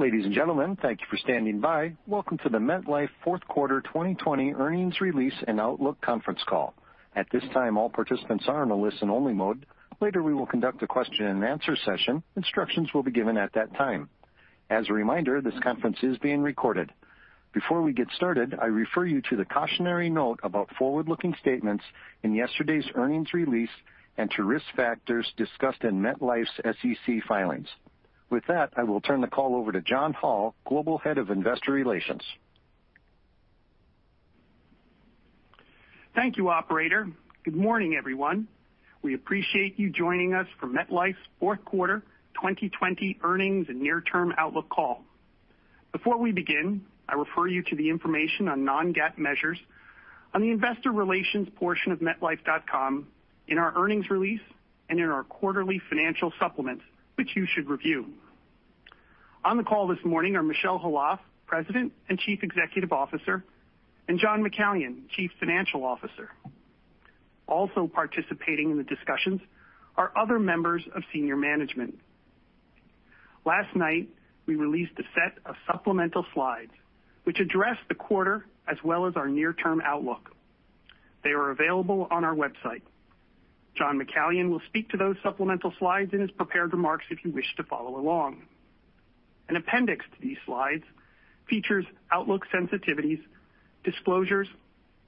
Ladies and gentlemen, thank you for standing by. Welcome to the MetLife Fourth Quarter 2020 Earnings Release and Outlook Conference Call. At this time, all participants are in a listen-only mode. Later, we will conduct a question-and-answer session. Instructions will be given at that time. As a reminder, this conference is being recorded. Before we get started, I refer you to the cautionary note about forward-looking statements in yesterday's earnings release and to risk factors discussed in MetLife's SEC filings. With that, I will turn the call over to John Hall, Global Head of Investor Relations. Thank you, Operator. Good morning, everyone. We appreciate you joining us for MetLife's Fourth Quarter 2020 Earnings and Near-Term Outlook Call. Before we begin, I refer you to the information on non-GAAP measures on the Investor Relations portion of MetLife.com, in our earnings release, and in our quarterly financial supplements, which you should review. On the call this morning are Michel Khalaf, President and Chief Executive Officer, and John McCallion, Chief Financial Officer. Also participating in the discussions are other members of senior management. Last night, we released a set of supplemental slides, which address the quarter as well as our near-term outlook. They are available on our website. John McCallion will speak to those supplemental slides in his prepared remarks if you wish to follow along. An appendix to these slides features outlook sensitivities, disclosures,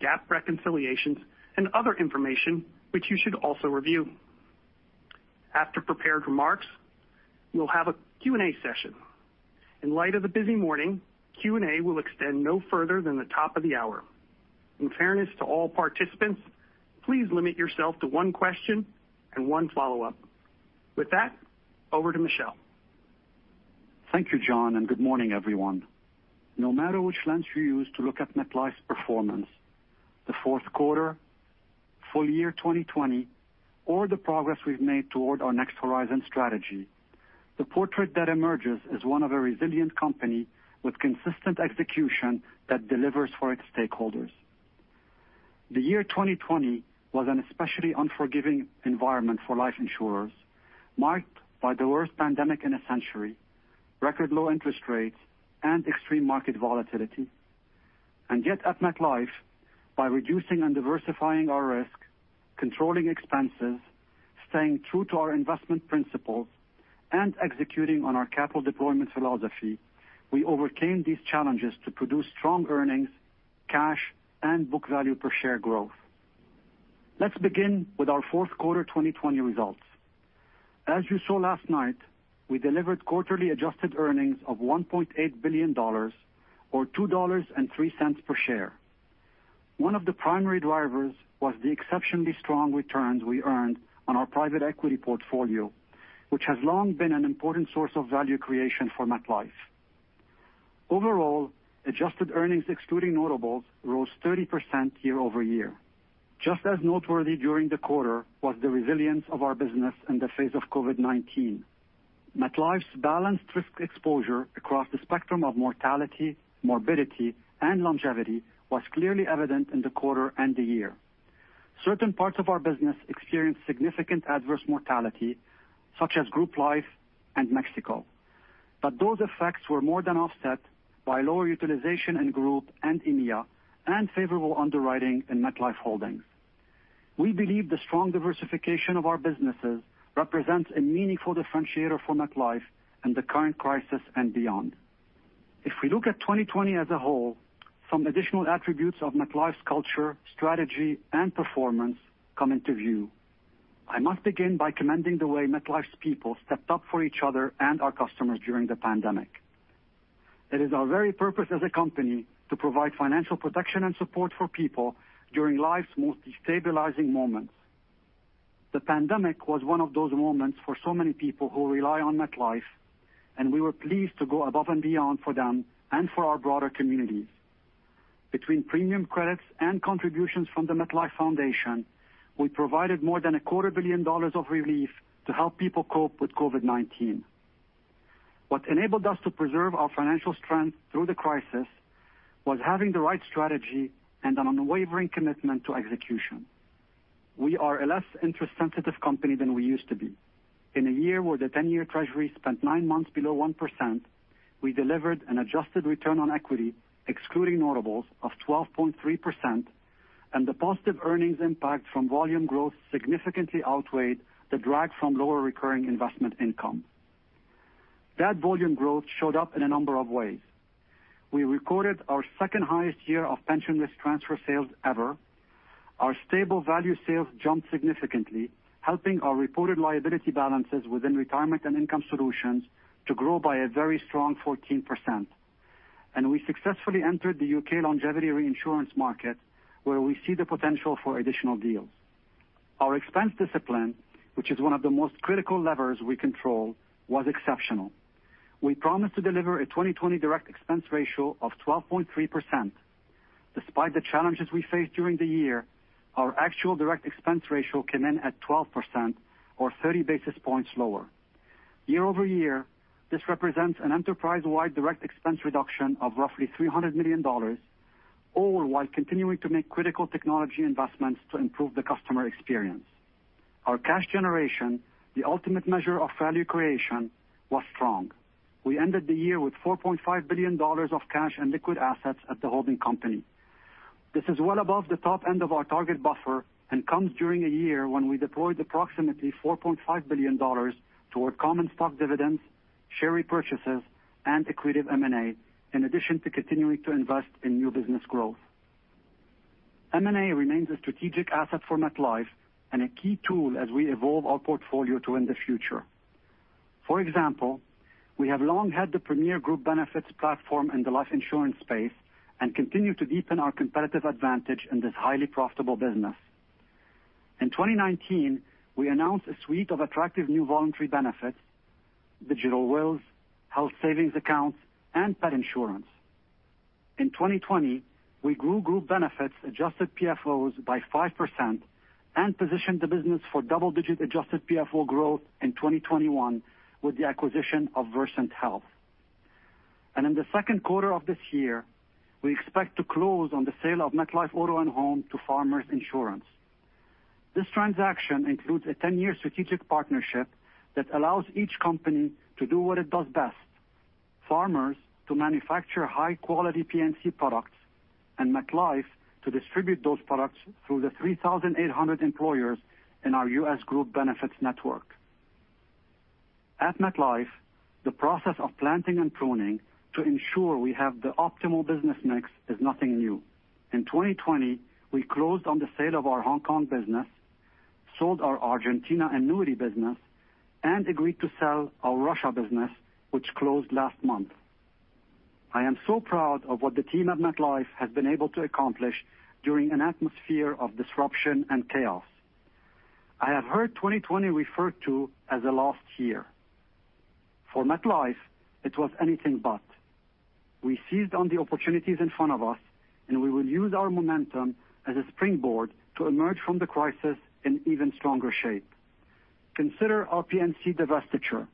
GAAP reconciliations, and other information, which you should also review. After prepared remarks, we'll have a Q&A session. In light of the busy morning, Q&A will extend no further than the top of the hour. In fairness to all participants, please limit yourself to one question and one follow-up. With that, over to Michel. Thank you, John, and good morning, everyone. No matter which lens you use to look at MetLife's performance, the fourth quarter, full year 2020, or the progress we've made toward our next horizon strategy, the portrait that emerges is one of a resilient company with consistent execution that delivers for its stakeholders. The year 2020 was an especially unforgiving environment for life insurers, marked by the worst pandemic in a century, record low interest rates, and extreme market volatility. Yet, at MetLife, by reducing and diversifying our risk, controlling expenses, staying true to our investment principles, and executing on our capital deployment philosophy, we overcame these challenges to produce strong earnings, cash, and book value per share growth. Let's begin with our fourth quarter 2020 results. As you saw last night, we delivered quarterly adjusted earnings of $1.8 billion, or $2.03 per share. One of the primary drivers was the exceptionally strong returns we earned on our private equity portfolio, which has long been an important source of value creation for MetLife. Overall, adjusted earnings excluding notables rose 30% year over year. Just as noteworthy during the quarter was the resilience of our business in the face of COVID-19. MetLife's balanced risk exposure across the spectrum of mortality, morbidity, and longevity was clearly evident in the quarter and the year. Certain parts of our business experienced significant adverse mortality, such as Group Life and Mexico. Those effects were more than offset by lower utilization in Group and EMEA and favorable underwriting in MetLife Holdings. We believe the strong diversification of our businesses represents a meaningful differentiator for MetLife in the current crisis and beyond. If we look at 2020 as a whole, some additional attributes of MetLife's culture, strategy, and performance come into view. I must begin by commending the way MetLife's people stepped up for each other and our customers during the pandemic. It is our very purpose as a company to provide financial protection and support for people during life's most destabilizing moments. The pandemic was one of those moments for so many people who rely on MetLife, and we were pleased to go above and beyond for them and for our broader communities. Between premium credits and contributions from the MetLife Foundation, we provided more than a quarter billion dollars of relief to help people cope with COVID-19. What enabled us to preserve our financial strength through the crisis was having the right strategy and an unwavering commitment to execution. We are a less interest-sensitive company than we used to be. In a year where the 10-year treasury spent nine months below 1%, we delivered an adjusted return on equity, excluding notables, of 12.3%, and the positive earnings impact from volume growth significantly outweighed the drag from lower recurring investment income. That volume growth showed up in a number of ways. We recorded our second-highest year of pension risk transfer sales ever. Our stable value sales jumped significantly, helping our reported liability balances within retirement and income solutions to grow by a very strong 14%. We successfully entered the U.K. longevity reinsurance market, where we see the potential for additional deals. Our expense discipline, which is one of the most critical levers we control, was exceptional. We promised to deliver a 2020 direct expense ratio of 12.3%. Despite the challenges we faced during the year, our actual direct expense ratio came in at 12%, or 30 basis points lower. Year over-year, this represents an enterprise-wide direct expense reduction of roughly $300 million, all while continuing to make critical technology investments to improve the customer experience. Our cash generation, the ultimate measure of value creation, was strong. We ended the year with $4.5 billion of cash and liquid assets at the holding company. This is well above the top end of our target buffer and comes during a year when we deployed approximately $4.5 billion toward common stock dividends, share repurchases, and equity of M&A, in addition to continuing to invest in new business growth. M&A remains a strategic asset for MetLife and a key tool as we evolve our portfolio to win the future. For example, we have long had the premier group benefits platform in the life insurance space and continue to deepen our competitive advantage in this highly profitable business. In 2019, we announced a suite of attractive new voluntary benefits: digital wills, health savings accounts, and pet insurance. In 2020, we grew group benefits adjusted PFOs by 5% and positioned the business for double-digit adjusted PFO growth in 2021 with the acquisition of Versant Health. In the second quarter of this year, we expect to close on the sale of MetLife Auto & Home to Farmers Insurance. This transaction includes a 10-year strategic partnership that allows each company to do what it does best: Farmers to manufacture high-quality P&C products and MetLife to distribute those products through the 3,800 employers in our US group benefits network. At MetLife, the process of planting and pruning to ensure we have the optimal business mix is nothing new. In 2020, we closed on the sale of our Hong Kong business, sold our Argentina and Nuri business, and agreed to sell our Russia business, which closed last month. I am so proud of what the team at MetLife has been able to accomplish during an atmosphere of disruption and chaos. I have heard 2020 referred to as a lost year. For MetLife, it was anything but. We seized on the opportunities in front of us, and we will use our momentum as a springboard to emerge from the crisis in even stronger shape. Consider our P&C divestiture.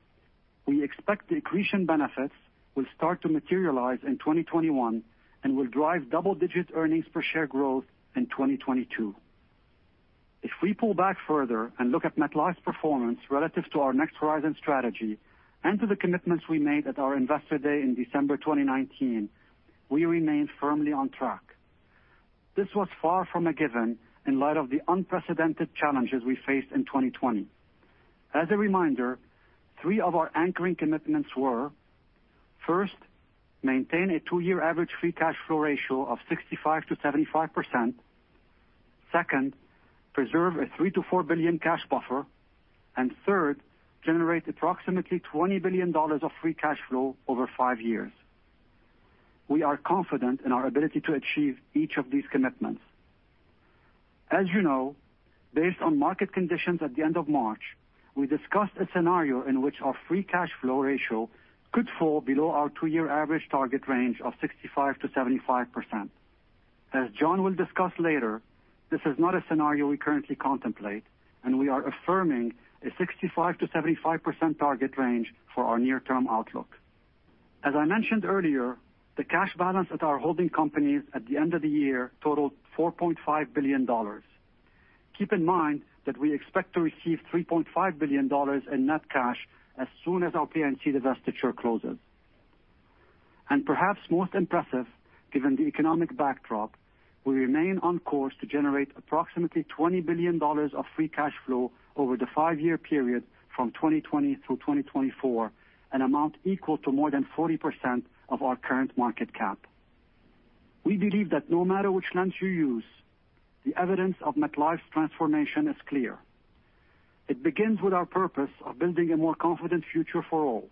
We expect the accretion benefits will start to materialize in 2021 and will drive double-digit earnings per share growth in 2022. If we pull back further and look at MetLife's performance relative to our next horizon strategy and to the commitments we made at our investor day in December 2019, we remain firmly on track. This was far from a given in light of the unprecedented challenges we faced in 2020. As a reminder, three of our anchoring commitments were: first, maintain a two-year average free cash flow ratio of 65%-75%; second, preserve a $3-$4 billion cash buffer; and third, generate approximately $20 billion of free cash flow over five years. We are confident in our ability to achieve each of these commitments. As you know, based on market conditions at the end of March, we discussed a scenario in which our free cash flow ratio could fall below our two-year average target range of 65%-75%. As John will discuss later, this is not a scenario we currently contemplate, and we are affirming a 65%-75% target range for our near-term outlook. As I mentioned earlier, the cash balance at our holding companies at the end of the year totaled $4.5 billion. Keep in mind that we expect to receive $3.5 billion in net cash as soon as our P&C divestiture closes. Perhaps most impressive, given the economic backdrop, we remain on course to generate approximately $20 billion of free cash flow over the five-year period from 2020 through 2024, an amount equal to more than 40% of our current market cap. We believe that no matter which lens you use, the evidence of MetLife's transformation is clear. It begins with our purpose of building a more confident future for all.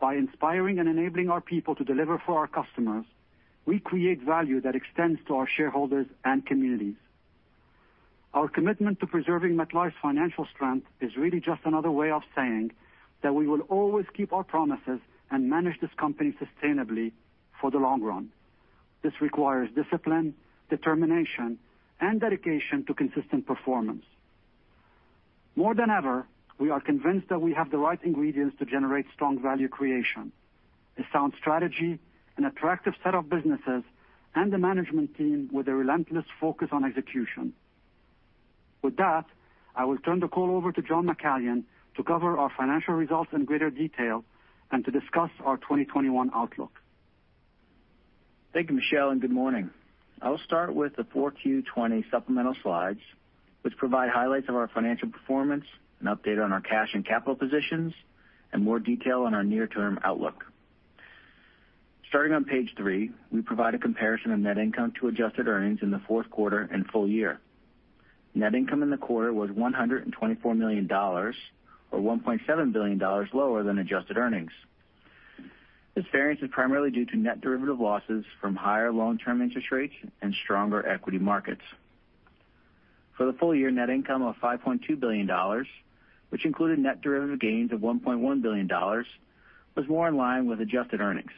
By inspiring and enabling our people to deliver for our customers, we create value that extends to our shareholders and communities. Our commitment to preserving MetLife's financial strength is really just another way of saying that we will always keep our promises and manage this company sustainably for the long run. This requires discipline, determination, and dedication to consistent performance. More than ever, we are convinced that we have the right ingredients to generate strong value creation, a sound strategy, an attractive set of businesses, and a management team with a relentless focus on execution. With that, I will turn the call over to John McCallion to cover our financial results in greater detail and to discuss our 2021 outlook. Thank you, Michel, and good morning. I'll start with the 4Q20 supplemental slides, which provide highlights of our financial performance, an update on our cash and capital positions, and more detail on our near-term outlook. Starting on page three, we provide a comparison of net income to adjusted earnings in the fourth quarter and full year. Net income in the quarter was $124 million, or $1.7 billion, lower than adjusted earnings. This variance is primarily due to net derivative losses from higher long-term interest rates and stronger equity markets. For the full year, net income of $5.2 billion, which included net derivative gains of $1.1 billion, was more in line with adjusted earnings.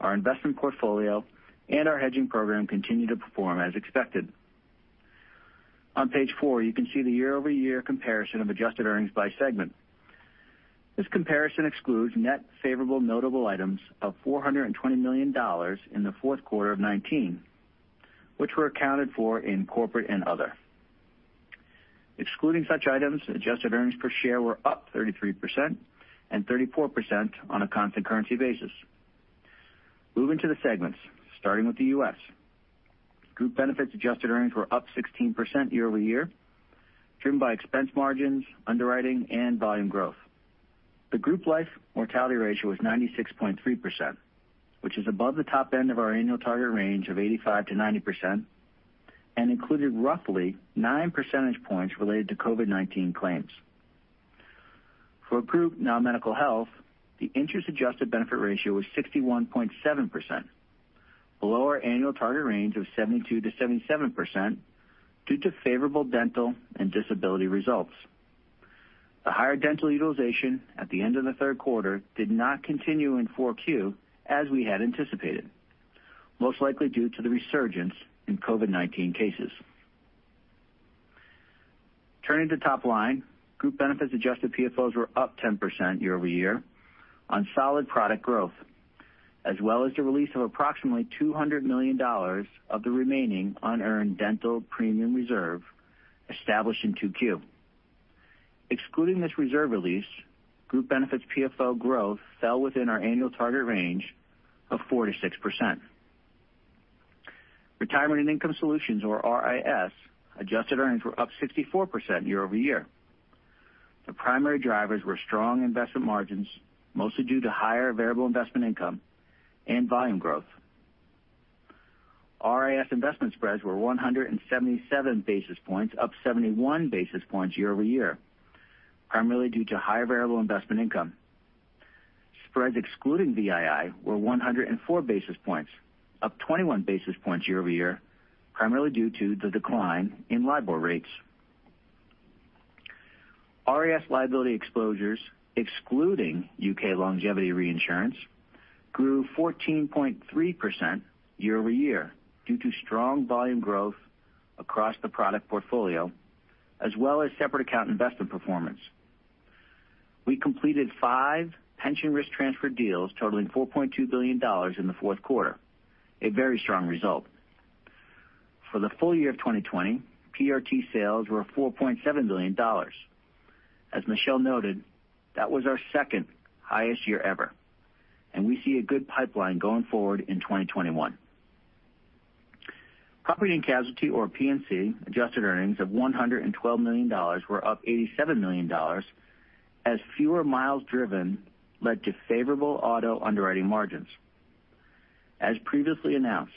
Our investment portfolio and our hedging program continue to perform as expected. On page four, you can see the year-over-year comparison of adjusted earnings by segment. This comparison excludes net favorable notable items of $420 million in the fourth quarter of 2019, which were accounted for in corporate and other. Excluding such items, adjusted earnings per share were up 33% and 34% on a constant currency basis. Moving to the segments, starting with the US, group benefits adjusted earnings were up 16% year-over-year, driven by expense margins, underwriting, and volume growth. The group life mortality ratio was 96.3%, which is above the top end of our annual target range of 85%-90%, and included roughly 9 percentage points related to COVID-19 claims. For group non-medical health, the interest-adjusted benefit ratio was 61.7%, below our annual target range of 72%-77% due to favorable dental and disability results. The higher dental utilization at the end of the third quarter did not continue in 4Q as we had anticipated, most likely due to the resurgence in COVID-19 cases. Turning to top line, group benefits adjusted PFOs were up 10% year-over-year on solid product growth, as well as the release of approximately $200 million of the remaining unearned dental premium reserve established in 2Q. Excluding this reserve release, group benefits PFO growth fell within our annual target range of 4-6%. Retirement and income solutions, or RIS, adjusted earnings were up 64% year-over-year. The primary drivers were strong investment margins, mostly due to higher variable investment income and volume growth. RIS investment spreads were 177 basis points, up 71 basis points year-over-year, primarily due to higher variable investment income. Spreads excluding VII were 104 basis points, up 21 basis points year-over-year, primarily due to the decline in Libor rates. RIS liability exposures, excluding U.K. longevity reinsurance, grew 14.3% year-over-year due to strong volume growth across the product portfolio, as well as separate account investment performance. We completed five pension risk transfer deals totaling $4.2 billion in the fourth quarter, a very strong result. For the full year of 2020, PRT sales were $4.7 billion. As Michel noted, that was our second highest year ever, and we see a good pipeline going forward in 2021. Property and casualty, or P&C, adjusted earnings of $112 million were up $87 million, as fewer miles driven led to favorable auto underwriting margins. As previously announced,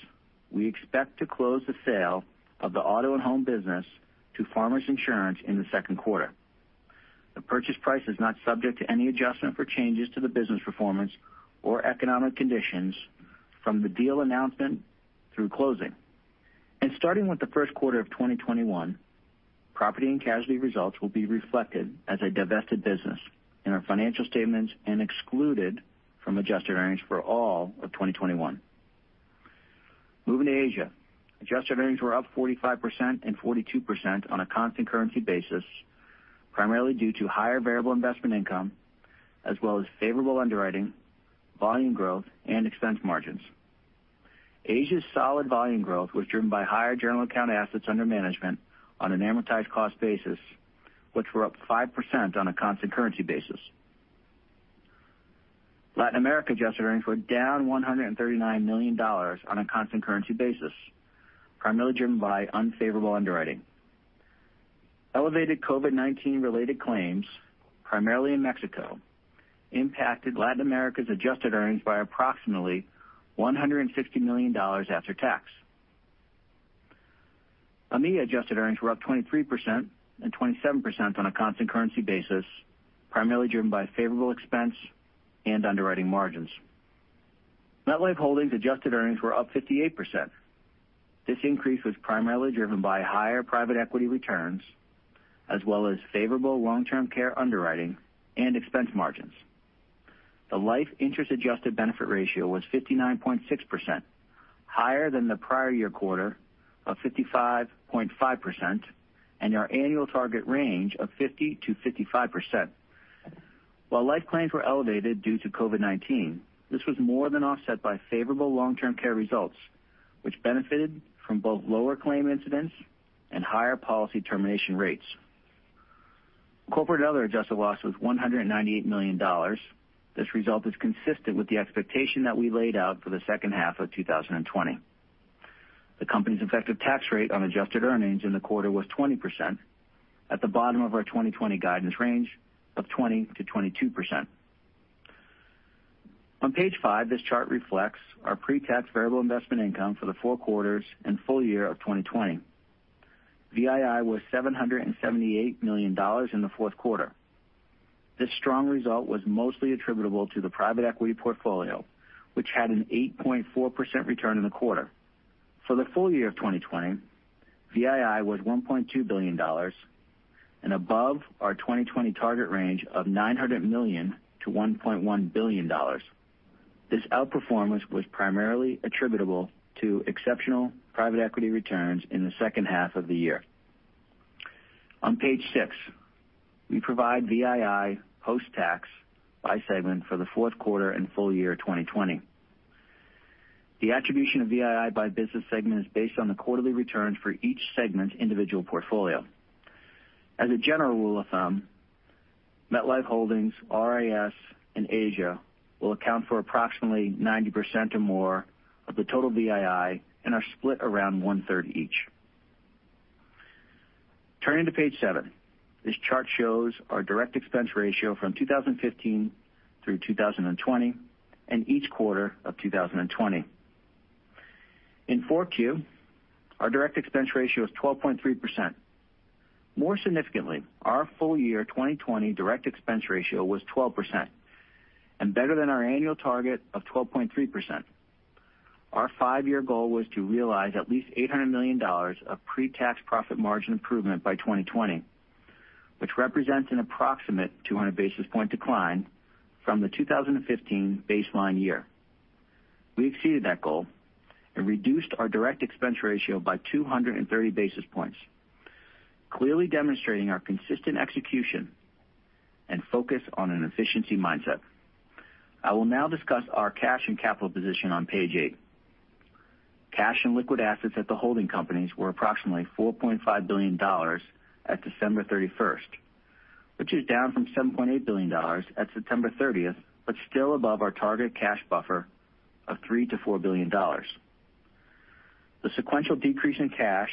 we expect to close the sale of the auto and home business to Farmers Insurance in the second quarter. The purchase price is not subject to any adjustment for changes to the business performance or economic conditions from the deal announcement through closing. Starting with the first quarter of 2021, property and casualty results will be reflected as a divested business in our financial statements and excluded from adjusted earnings for all of 2021. Moving to Asia, adjusted earnings were up 45% and 42% on a constant currency basis, primarily due to higher variable investment income, as well as favorable underwriting, volume growth, and expense margins. Asia's solid volume growth was driven by higher general account assets under management on an amortized cost basis, which were up 5% on a constant currency basis. Latin America adjusted earnings were down $139 million on a constant currency basis, primarily driven by unfavorable underwriting. Elevated COVID-19-related claims, primarily in Mexico, impacted Latin America's adjusted earnings by approximately $160 million after tax. EMEA adjusted earnings were up 23% and 27% on a constant currency basis, primarily driven by favorable expense and underwriting margins. MetLife Holdings' adjusted earnings were up 58%. This increase was primarily driven by higher private equity returns, as well as favorable long-term care underwriting and expense margins. The life interest-adjusted benefit ratio was 59.6%, higher than the prior year quarter of 55.5% and our annual target range of 50%-55%. While life claims were elevated due to COVID-19, this was more than offset by favorable long-term care results, which benefited from both lower claim incidents and higher policy termination rates. Corporate and other adjusted loss was $198 million. This result is consistent with the expectation that we laid out for the second half of 2020. The company's effective tax rate on adjusted earnings in the quarter was 20%, at the bottom of our 2020 guidance range of 20%-22%. On page five, this chart reflects our pre-tax variable investment income for the four quarters and full year of 2020. VII was $778 million in the fourth quarter. This strong result was mostly attributable to the private equity portfolio, which had an 8.4% return in the quarter. For the full year of 2020, VII was $1.2 billion, and above our 2020 target range of $900 million-$1.1 billion. This outperformance was primarily attributable to exceptional private equity returns in the second half of the year. On page six, we provide VII post-tax by segment for the fourth quarter and full year 2020. The attribution of VII by business segment is based on the quarterly returns for each segment's individual portfolio. As a general rule of thumb, MetLife Holdings, RIS, and Asia will account for approximately 90% or more of the total VII and are split around one-third each. Turning to page seven, this chart shows our direct expense ratio from 2015 through 2020 and each quarter of 2020. In 4Q, our direct expense ratio is 12.3%. More significantly, our full year 2020 direct expense ratio was 12% and better than our annual target of 12.3%. Our five-year goal was to realize at least $800 million of pre-tax profit margin improvement by 2020, which represents an approximate 200 basis point decline from the 2015 baseline year. We exceeded that goal and reduced our direct expense ratio by 230 basis points, clearly demonstrating our consistent execution and focus on an efficiency mindset. I will now discuss our cash and capital position on page eight. Cash and liquid assets at the holding companies were approximately $4.5 billion at December 31, which is down from $7.8 billion at September 30, but still above our target cash buffer of $3-$4 billion. The sequential decrease in cash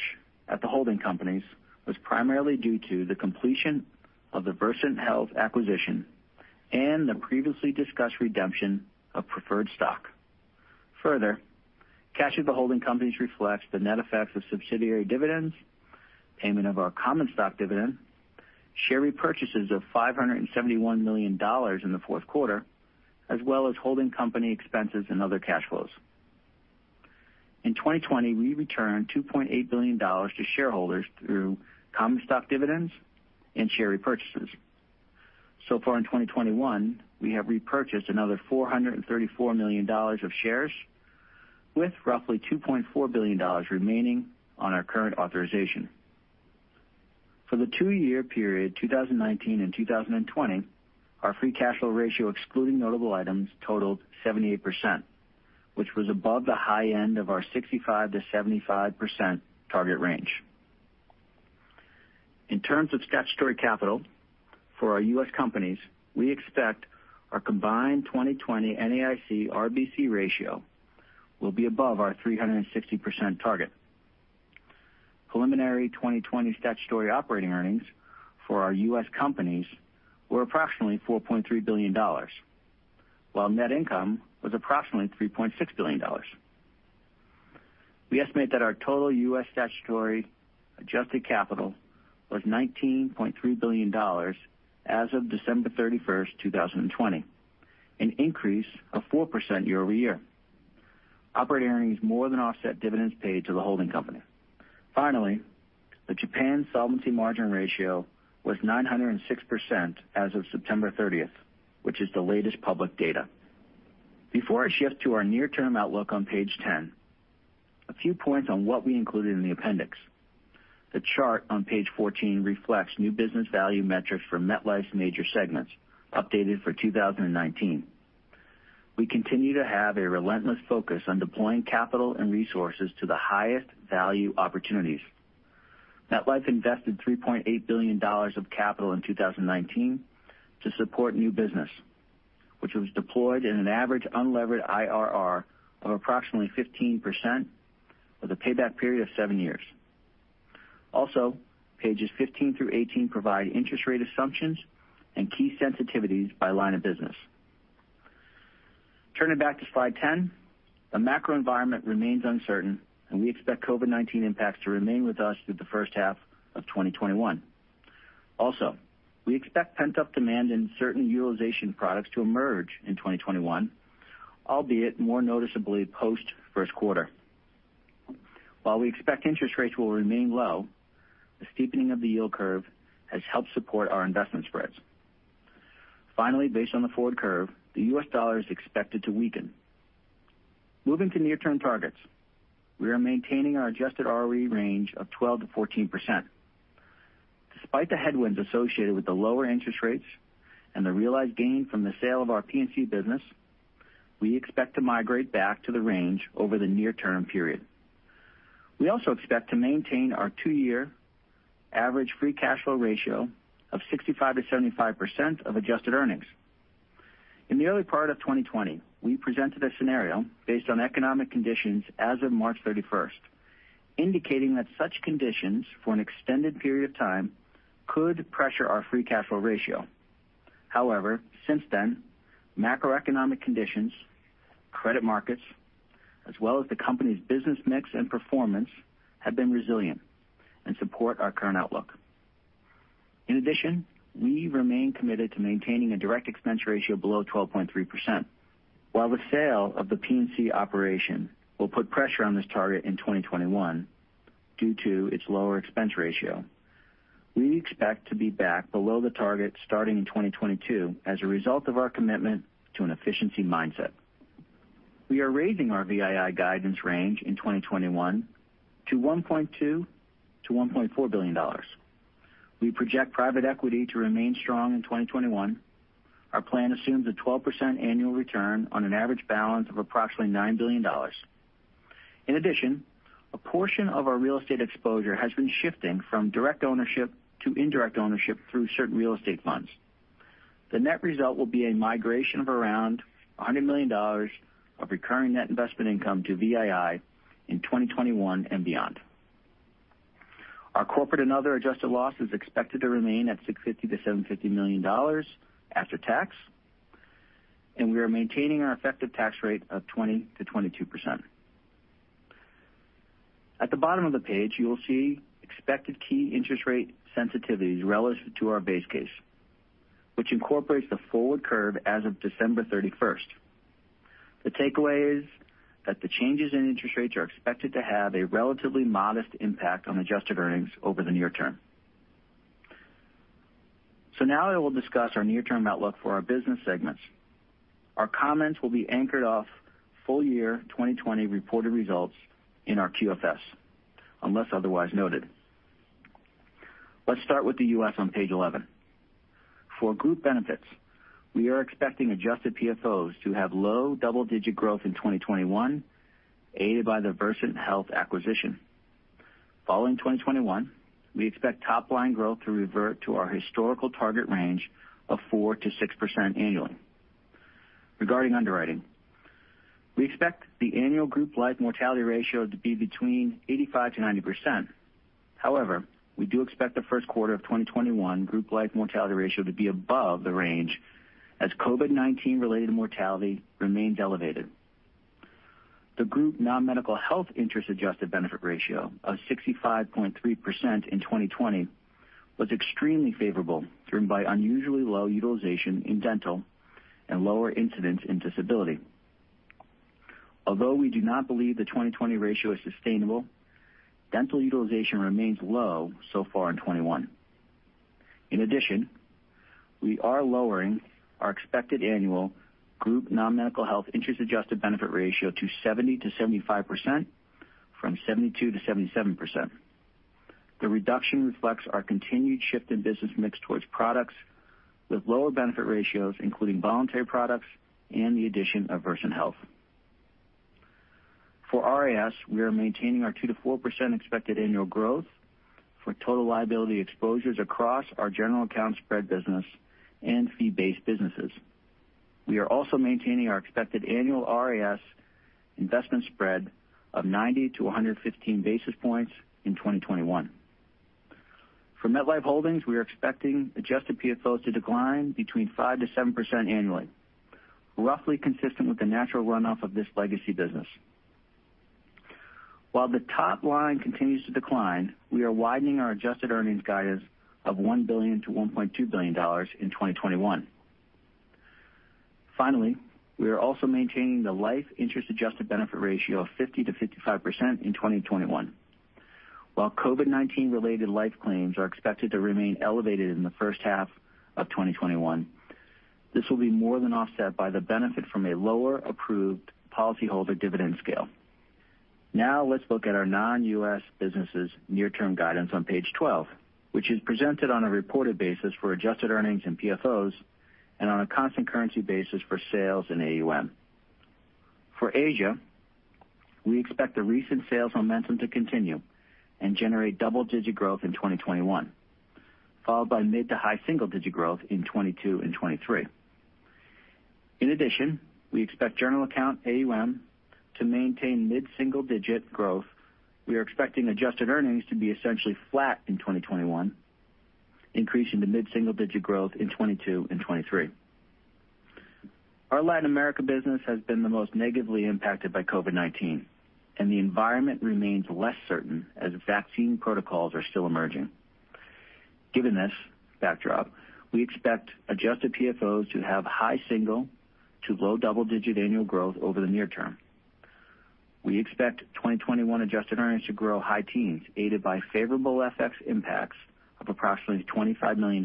at the holding companies was primarily due to the completion of the Versant Health acquisition and the previously discussed redemption of preferred stock. Further, cash at the holding companies reflects the net effects of subsidiary dividends, payment of our common stock dividend, share repurchases of $571 million in the fourth quarter, as well as holding company expenses and other cash flows. In 2020, we returned $2.8 billion to shareholders through common stock dividends and share repurchases. So far in 2021, we have repurchased another $434 million of shares, with roughly $2.4 billion remaining on our current authorization. For the two-year period, 2019 and 2020, our free cash flow ratio excluding notable items totaled 78%, which was above the high end of our 65%-75% target range. In terms of statutory capital for our US companies, we expect our combined 2020 NAIC-RBC ratio will be above our 360% target. Preliminary 2020 statutory operating earnings for our US companies were approximately $4.3 billion, while net income was approximately $3.6 billion. We estimate that our total US statutory adjusted capital was $19.3 billion as of December 31, 2020, an increase of 4% year-over-year. Operating earnings more than offset dividends paid to the holding company. Finally, the Japan solvency margin ratio was 906% as of September 30, which is the latest public data. Before I shift to our near-term outlook on page 10, a few points on what we included in the appendix. The chart on page 14 reflects new business value metrics for MetLife's major segments updated for 2019. We continue to have a relentless focus on deploying capital and resources to the highest value opportunities. MetLife invested $3.8 billion of capital in 2019 to support new business, which was deployed in an average unlevered IRR of approximately 15% with a payback period of seven years. Also, pages 15 through 18 provide interest rate assumptions and key sensitivities by line of business. Turning back to slide 10, the macro environment remains uncertain, and we expect COVID-19 impacts to remain with us through the first half of 2021. Also, we expect pent-up demand in certain utilization products to emerge in 2021, albeit more noticeably post-first quarter. While we expect interest rates will remain low, the steepening of the yield curve has helped support our investment spreads. Finally, based on the forward curve, the US dollar is expected to weaken. Moving to near-term targets, we are maintaining our adjusted ROE range of 12%-14%. Despite the headwinds associated with the lower interest rates and the realized gain from the sale of our P&C business, we expect to migrate back to the range over the near-term period. We also expect to maintain our two-year average free cash flow ratio of 65%-75% of adjusted earnings. In the early part of 2020, we presented a scenario based on economic conditions as of March 31, indicating that such conditions for an extended period of time could pressure our free cash flow ratio. However, since then, macroeconomic conditions, credit markets, as well as the company's business mix and performance have been resilient and support our current outlook. In addition, we remain committed to maintaining a direct expense ratio below 12.3%. While the sale of the P&C operation will put pressure on this target in 2021 due to its lower expense ratio, we expect to be back below the target starting in 2022 as a result of our commitment to an efficiency mindset. We are raising our VII guidance range in 2021 to $1.2 billion-$1.4 billion. We project private equity to remain strong in 2021. Our plan assumes a 12% annual return on an average balance of approximately $9 billion. In addition, a portion of our real estate exposure has been shifting from direct ownership to indirect ownership through certain real estate funds. The net result will be a migration of around $100 million of recurring net investment income to VII in 2021 and beyond. Our corporate and other adjusted loss is expected to remain at $650 million-$750 million after tax, and we are maintaining our effective tax rate of 20%-22%. At the bottom of the page, you'll see expected key interest rate sensitivities relative to our base case, which incorporates the forward curve as of December 31. The takeaway is that the changes in interest rates are expected to have a relatively modest impact on adjusted earnings over the near term. Now I will discuss our near-term outlook for our business segments. Our comments will be anchored off full year 2020 reported results in our QFS, unless otherwise noted. Let's start with the US on page 11. For group benefits, we are expecting adjusted PFOs to have low double-digit growth in 2021, aided by the Versant Health acquisition. Following 2021, we expect top-line growth to revert to our historical target range of 4%-6% annually. Regarding underwriting, we expect the annual group life mortality ratio to be between 85%-90%. However, we do expect the first quarter of 2021 group life mortality ratio to be above the range as COVID-19-related mortality remains elevated. The group non-medical health interest-adjusted benefit ratio of 65.3% in 2020 was extremely favorable driven by unusually low utilization in dental and lower incidents in disability. Although we do not believe the 2020 ratio is sustainable, dental utilization remains low so far in 2021. In addition, we are lowering our expected annual group non-medical health interest-adjusted benefit ratio to 70%-75% from 72%-77%. The reduction reflects our continued shift in business mix towards products with lower benefit ratios, including voluntary products and the addition of Versant Health. For RIS, we are maintaining our 2%-4% expected annual growth for total liability exposures across our general accounts spread business and fee-based businesses. We are also maintaining our expected annual RIS investment spread of 90-115 basis points in 2021. For MetLife Holdings, we are expecting adjusted PFOs to decline between 5%-7% annually, roughly consistent with the natural runoff of this legacy business. While the top line continues to decline, we are widening our adjusted earnings guidance of $1 billion-$1.2 billion in 2021. Finally, we are also maintaining the life interest-adjusted benefit ratio of 50%-55% in 2021. While COVID-19-related life claims are expected to remain elevated in the first half of 2021, this will be more than offset by the benefit from a lower approved policyholder dividend scale. Now let's look at our non-US businesses near-term guidance on page 12, which is presented on a reported basis for adjusted earnings and PFOs and on a constant currency basis for sales and AUM. For Asia, we expect the recent sales momentum to continue and generate double-digit growth in 2021, followed by mid to high single-digit growth in 2022 and 2023. In addition, we expect general account AUM to maintain mid-single-digit growth. We are expecting adjusted earnings to be essentially flat in 2021, increasing to mid-single-digit growth in 2022 and 2023. Our Latin America business has been the most negatively impacted by COVID-19, and the environment remains less certain as vaccine protocols are still emerging. Given this backdrop, we expect adjusted PFOs to have high single- to low double-digit annual growth over the near term. We expect 2021 adjusted earnings to grow high teens, aided by favorable FX impacts of approximately $25 million.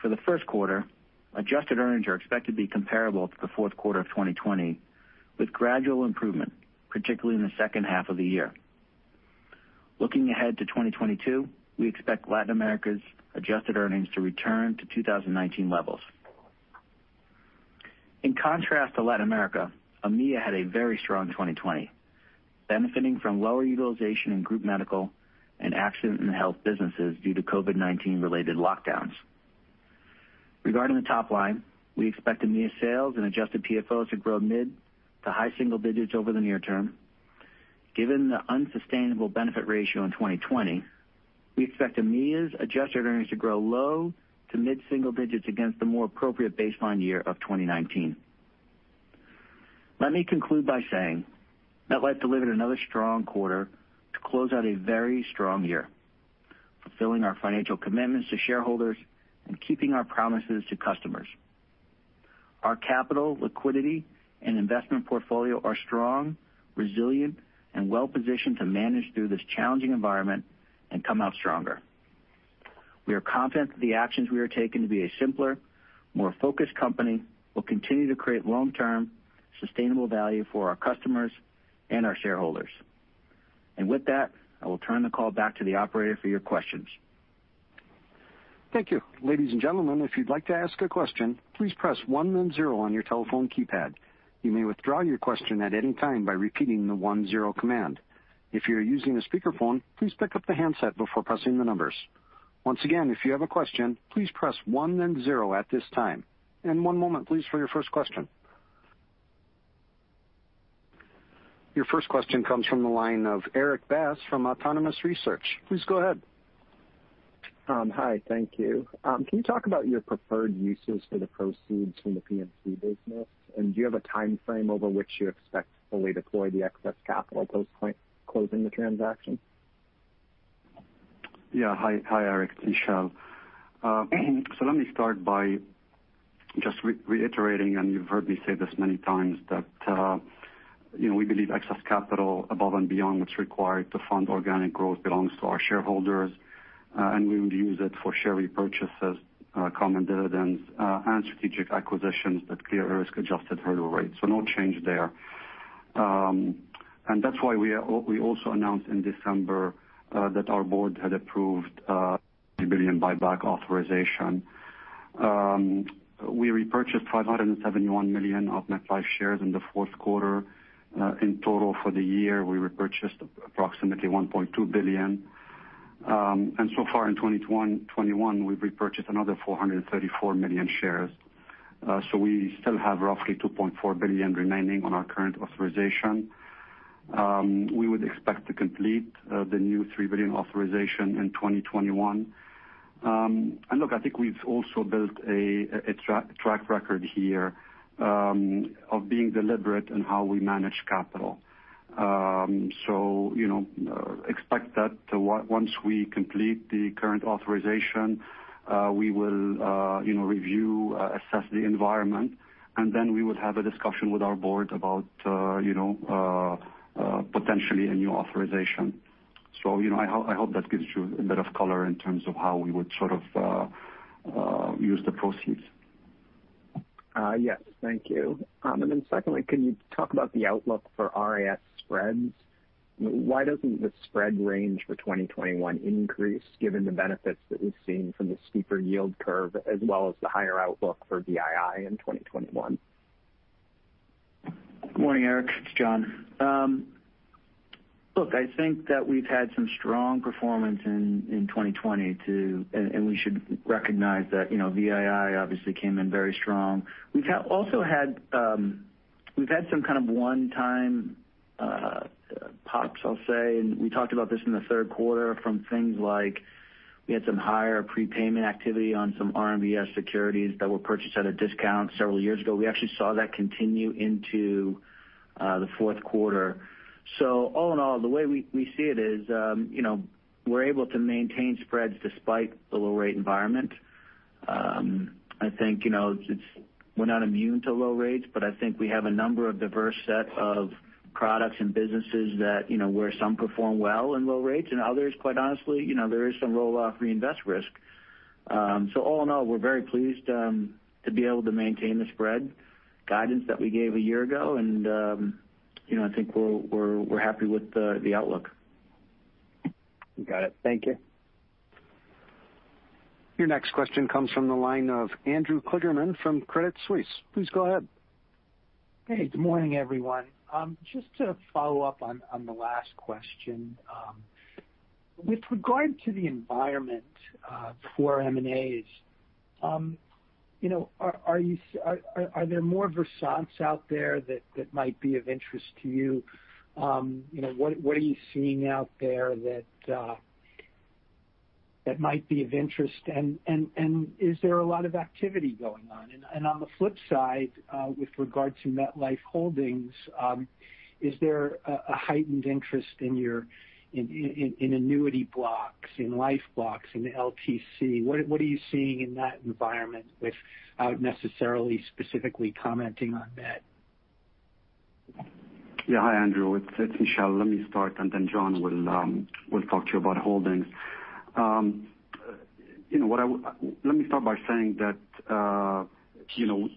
For the first quarter, adjusted earnings are expected to be comparable to the fourth quarter of 2020, with gradual improvement, particularly in the second half of the year. Looking ahead to 2022, we expect Latin America's adjusted earnings to return to 2019 levels. In contrast to Latin America, EMEA had a very strong 2020, benefiting from lower utilization in group medical and accident and health businesses due to COVID-19-related lockdowns. Regarding the top line, we expect EMEA sales and adjusted PFOs to grow mid to high single digits over the near term. Given the unsustainable benefit ratio in 2020, we expect EMEA's adjusted earnings to grow low to mid-single digits against the more appropriate baseline year of 2019. Let me conclude by saying MetLife delivered another strong quarter to close out a very strong year, fulfilling our financial commitments to shareholders and keeping our promises to customers. Our capital, liquidity, and investment portfolio are strong, resilient, and well-positioned to manage through this challenging environment and come out stronger. We are confident that the actions we are taking to be a simpler, more focused company will continue to create long-term sustainable value for our customers and our shareholders. I will turn the call back to the operator for your questions. Thank you. Ladies and gentlemen, if you'd like to ask a question, please press 1 and 0 on your telephone keypad. You may withdraw your question at any time by repeating the 1-0 command. If you're using a speakerphone, please pick up the handset before pressing the numbers. Once again, if you have a question, please press 1 and 0 at this time. One moment, please, for your first question. Your first question comes from the line of Erik Bass from Autonomous Research. Please go ahead. Hi, thank you. Can you talk about your preferred uses for the proceeds from the P&C business? Do you have a timeframe over which you expect to fully deploy the excess capital post-closing the transaction? Yeah. Hi, Erik. This is uncertain. Let me start by just reiterating, and you've heard me say this many times, that we believe excess capital above and beyond what's required to fund organic growth belongs to our shareholders, and we will use it for share repurchases, common dividends, and strategic acquisitions that clear the risk-adjusted hurdle rate. No change there. That is why we also announced in December that our board had approved a $1 billion buyback authorization. We repurchased $571 million of MetLife shares in the fourth quarter. In total for the year, we repurchased approximately $1.2 billion. So far in 2021, we've repurchased another $434 million shares. We still have roughly $2.4 billion remaining on our current authorization. We would expect to complete the new $3 billion authorization in 2021. Look, I think we've also built a track record here of being deliberate in how we manage capital. Expect that once we complete the current authorization, we will review, assess the environment, and then we will have a discussion with our board about potentially a new authorization. I hope that gives you a bit of color in terms of how we would sort of use the proceeds. Yes. Thank you. Can you talk about the outlook for RIS spreads? Why does the spread range for 2021 not increase given the benefits that we have seen from the steeper yield curve as well as the higher outlook for VII in 2021? Good morning, Erik. It's John. Look, I think that we've had some strong performance in 2020, and we should recognize that VII obviously came in very strong. We've also had some kind of one-time pops, I'll say. We talked about this in the third quarter from things like we had some higher prepayment activity on some RMBS securities that were purchased at a discount several years ago. We actually saw that continue into the fourth quarter. All in all, the way we see it is we're able to maintain spreads despite the low-rate environment. I think we're not immune to low rates, but I think we have a number of diverse sets of products and businesses where some perform well in low rates and others, quite honestly, there is some roll-off reinvest risk. All in all, we're very pleased to be able to maintain the spread guidance that we gave a year ago, and I think we're happy with the outlook. Got it. Thank you. Your next question comes from the line of Andrew Kligerman from Credit Suisse. Please go ahead. Hey, good morning, everyone. Just to follow up on the last question, with regard to the environment for M&As, are there more Versants out there that might be of interest to you? What are you seeing out there that might be of interest? Is there a lot of activity going on? On the flip side, with regard to MetLife Holdings, is there a heightened interest in annuity blocks, in life blocks, in LTC? What are you seeing in that environment without necessarily specifically commenting on that? Yeah. Hi, Andrew. It's Michel. Let me start, and then John will talk to you about Holdings. Let me start by saying that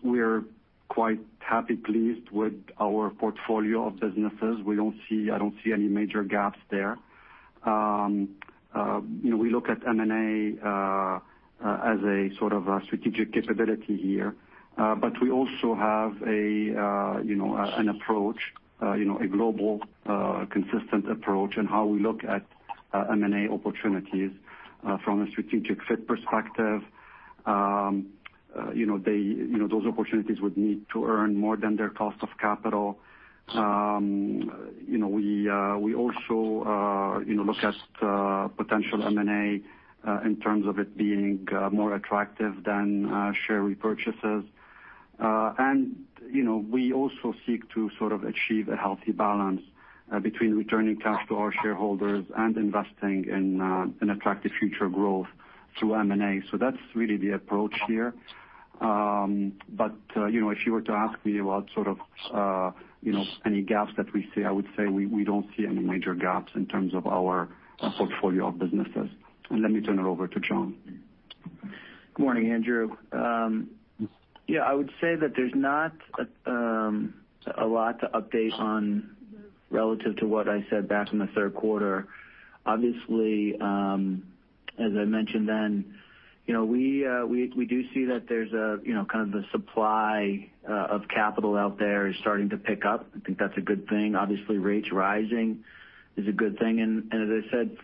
we're quite happy and pleased with our portfolio of businesses. I don't see any major gaps there. We look at M&A as a sort of strategic capability here, but we also have an approach, a global consistent approach in how we look at M&A opportunities from a strategic fit perspective. Those opportunities would need to earn more than their cost of capital. We also look at potential M&A in terms of it being more attractive than share repurchases. We also seek to sort of achieve a healthy balance between returning cash to our shareholders and investing in attractive future growth through M&A. That's really the approach here. If you were to ask me about sort of any gaps that we see, I would say we do not see any major gaps in terms of our portfolio of businesses. Let me turn it over to John. Good morning, Andrew. Yeah, I would say that there's not a lot to update relative to what I said back in the third quarter. Obviously, as I mentioned then, we do see that there's kind of the supply of capital out there is starting to pick up. I think that's a good thing. Obviously, rates rising is a good thing. As I said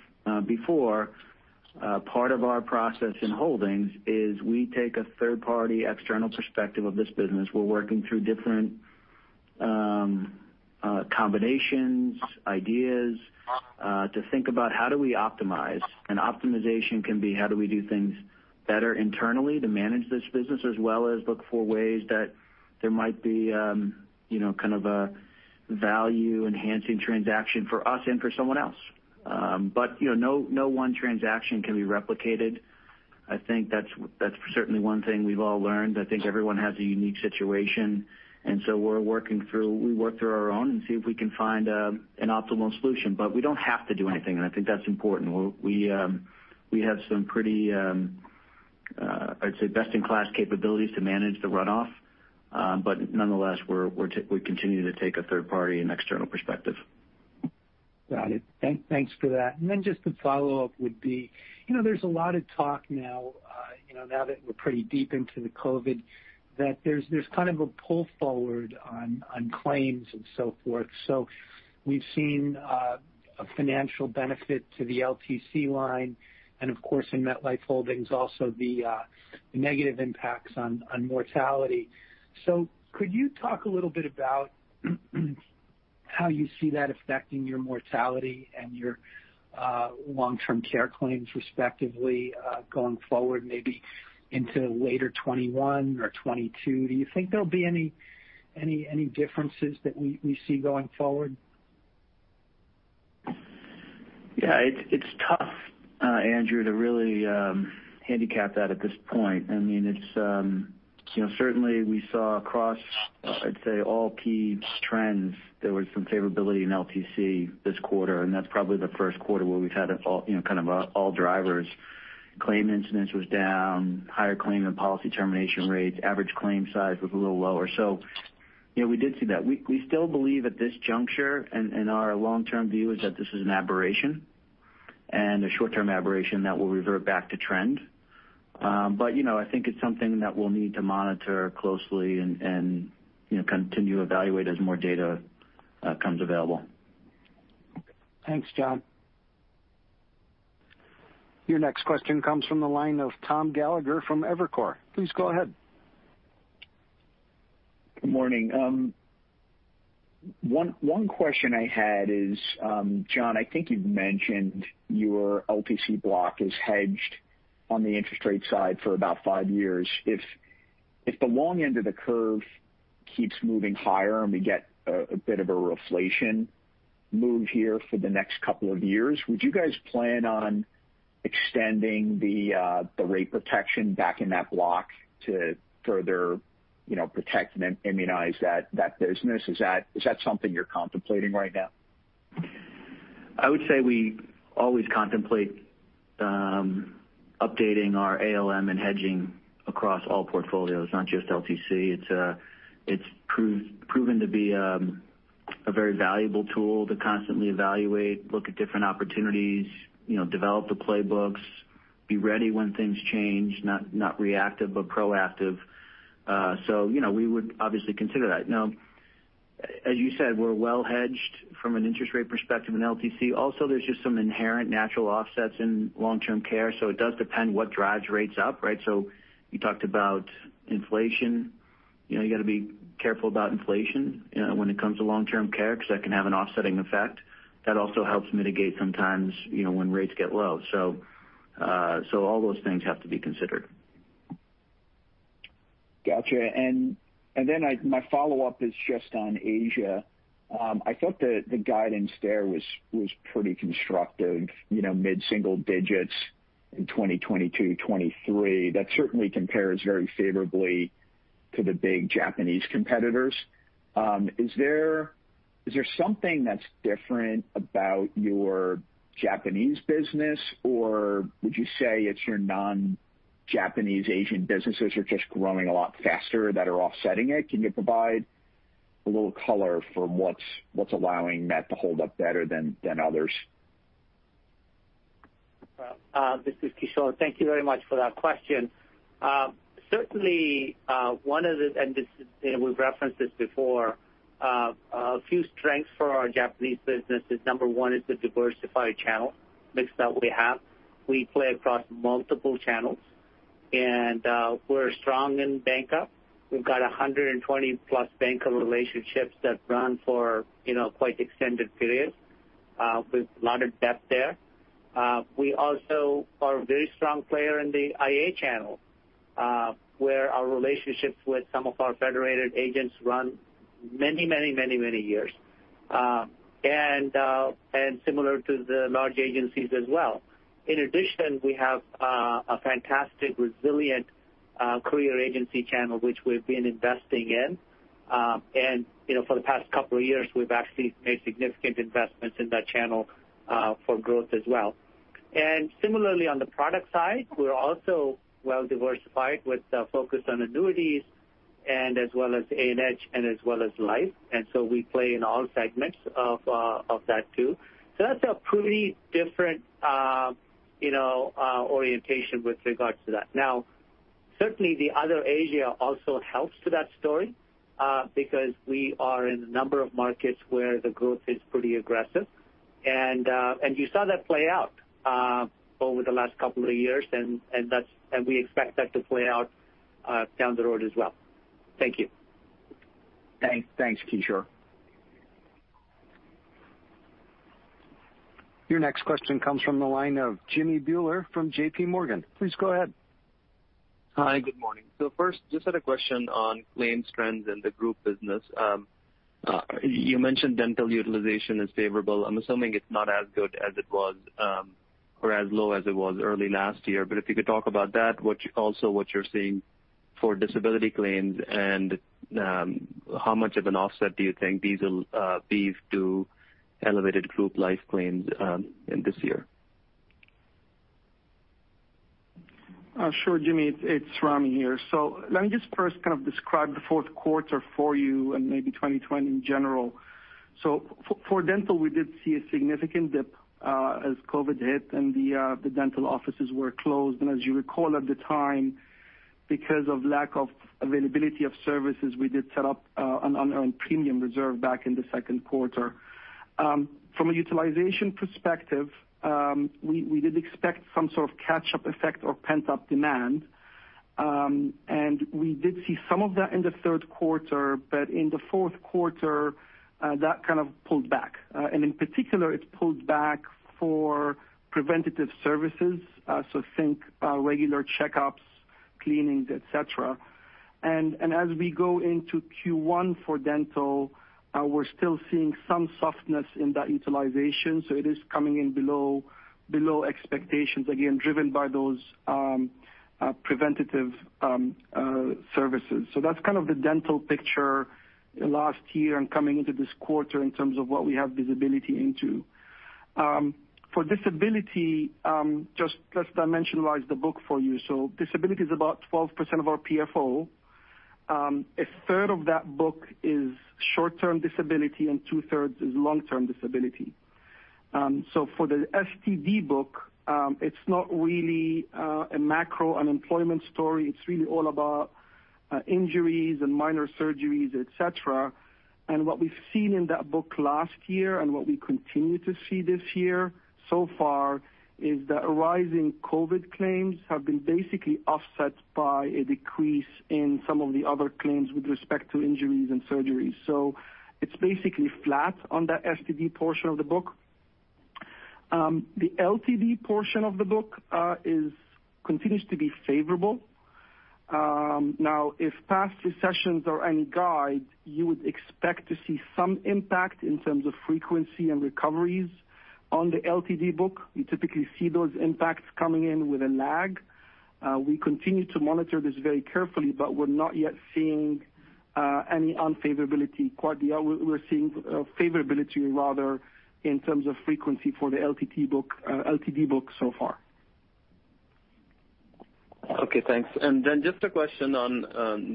before, part of our process in holdings is we take a third-party external perspective of this business. We're working through different combinations, ideas to think about how do we optimize. Optimization can be how do we do things better internally to manage this business, as well as look for ways that there might be kind of a value-enhancing transaction for us and for someone else. No one transaction can be replicated. I think that's certainly one thing we've all learned. I think everyone has a unique situation. We are working through—we work through our own and see if we can find an optimal solution. We do not have to do anything, and I think that is important. We have some pretty, I would say, best-in-class capabilities to manage the runoff. Nonetheless, we continue to take a third-party and external perspective. Got it. Thanks for that. Just to follow up, there is a lot of talk now, now that we are pretty deep into the COVID, that there is kind of a pull forward on claims and so forth. We have seen a financial benefit to the LTC line, and of course, in MetLife Holdings, also the negative impacts on mortality. Could you talk a little bit about how you see that affecting your mortality and your long-term care claims respectively going forward, maybe into later 2021 or 2022? Do you think there will be any differences that we see going forward? Yeah. It's tough, Andrew, to really handicap that at this point. I mean, certainly, we saw across, I'd say, all key trends, there was some favorability in LTC this quarter. That's probably the first quarter where we've had kind of all drivers. Claim incidence was down, higher claim and policy termination rates, average claim size was a little lower. We did see that. We still believe at this juncture and our long-term view is that this is an aberration and a short-term aberration that will revert back to trend. I think it's something that we'll need to monitor closely and continue to evaluate as more data comes available. Thanks, John. Your next question comes from the line of Tom Gallagher from Evercore. Please go ahead. Good morning. One question I had is, John, I think you've mentioned your LTC block is hedged on the interest rate side for about five years. If the long end of the curve keeps moving higher and we get a bit of a reflation move here for the next couple of years, would you guys plan on extending the rate protection back in that block to further protect and immunize that business? Is that something you're contemplating right now? I would say we always contemplate updating our ALM and hedging across all portfolios, not just LTC. It's proven to be a very valuable tool to constantly evaluate, look at different opportunities, develop the playbooks, be ready when things change, not reactive but proactive. We would obviously consider that. Now, as you said, we're well hedged from an interest rate perspective in LTC. Also, there's just some inherent natural offsets in long-term care. It does depend what drives rates up, right? You talked about inflation. You got to be careful about inflation when it comes to long-term care because that can have an offsetting effect. That also helps mitigate sometimes when rates get low. All those things have to be considered. Gotcha. My follow-up is just on Asia. I thought the guidance there was pretty constructive, mid-single digits in 2022, 2023. That certainly compares very favorably to the big Japanese competitors. Is there something that's different about your Japanese business, or would you say it's your non-Japanese Asian businesses are just growing a lot faster that are offsetting it? Can you provide a little color for what's allowing that to hold up better than others? This is Kishore. Thank you very much for that question. Certainly, one of the—and we've referenced this before—a few strengths for our Japanese businesses. Number one is the diversified channel mix that we have. We play across multiple channels, and we're strong in bancassurance. We've got 120-plus bancassurance relationships that run for quite extended periods with a lot of depth there. We also are a very strong player in the IA channel where our relationships with some of our federated agents run many, many, many, many years, and similar to the large agencies as well. In addition, we have a fantastic, resilient career agency channel, which we've been investing in. For the past couple of years, we've actually made significant investments in that channel for growth as well. Similarly, on the product side, we're also well diversified with a focus on annuities as well as A&H and as well as Life. We play in all segments of that too. That is a pretty different orientation with regards to that. Certainly, the other Asia also helps to that story because we are in a number of markets where the growth is pretty aggressive. You saw that play out over the last couple of years, and we expect that to play out down the road as well. Thank you. Thanks, Kishore. Your next question comes from the line of Jimmy Bhullar from JP Morgan. Please go ahead. Hi, good morning. First, just had a question on claims trends in the group business. You mentioned dental utilization is favorable. I'm assuming it's not as good as it was or as low as it was early last year. If you could talk about that, also what you're seeing for disability claims and how much of an offset do you think these will be to elevated group life claims this year? Sure, Jimmy. It's Ramy here. Let me just first kind of describe the fourth quarter for you and maybe 2020 in general. For dental, we did see a significant dip as COVID hit, and the dental offices were closed. As you recall, at the time, because of lack of availability of services, we did set up an unearned premium reserve back in the second quarter. From a utilization perspective, we did expect some sort of catch-up effect or pent-up demand. We did see some of that in the third quarter, but in the fourth quarter, that kind of pulled back. In particular, it pulled back for preventative services. Think regular check-ups, cleanings, etc. As we go into Q1 for dental, we're still seeing some softness in that utilization. It is coming in below expectations, again, driven by those preventative services. That's kind of the dental picture last year and coming into this quarter in terms of what we have visibility into. For disability, just dimension-wise the book for you. Disability is about 12% of our PFO. A third of that book is short-term disability, and two-thirds is long-term disability. For the STD book, it's not really a macro unemployment story. It's really all about injuries and minor surgeries, etc. What we've seen in that book last year and what we continue to see this year so far is that rising COVID claims have been basically offset by a decrease in some of the other claims with respect to injuries and surgeries. It's basically flat on that STD portion of the book. The LTD portion of the book continues to be favorable. Now, if past recessions are any guide, you would expect to see some impact in terms of frequency and recoveries on the LTD book. You typically see those impacts coming in with a lag. We continue to monitor this very carefully, but we're not yet seeing any unfavorability. We're seeing favorability, rather, in terms of frequency for the LTD book so far. Okay, thanks. Just a question on